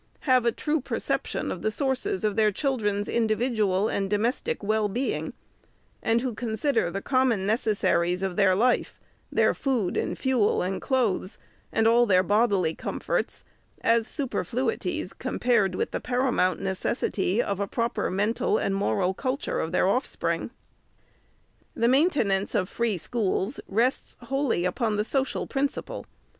411 have a true perception of the sources of their children's individual and domestic well being, and who consider the common necessaries of their life, their food and fuel and clothes, and all their bodily comforts, as superfluities, compared with the paramount necessity of a proper men tal and moral culture of their offspring. The maintenance of free schools rests wholly upon the .social principle.